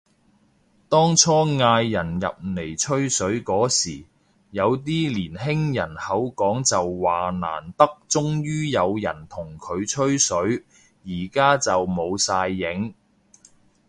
當初嗌人入嚟吹水嗰時，有啲年輕人口講就話難得終於有人同佢吹水，而家就冇晒影